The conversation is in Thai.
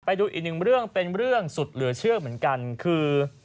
ไปดูอีกหนึ่งเรื่องเป็นเรื่องสุดเหลือเชื่อเหมือนกันคือ